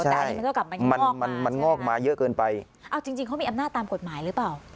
ใช่มันงอกมาเยอะเกินไปอ่าจริงจริงเขามีอำนาจตามกฎหมายหรือเปล่า